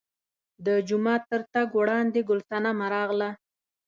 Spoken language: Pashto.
د جومات تر تګ وړاندې ګل صنمه راغله.